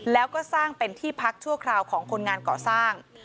แล้วก็สร้างเป็นที่พักชั่วคราวของคนงานก่อสร้าง